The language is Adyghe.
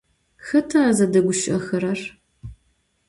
Xeta zedeguşı'exerer?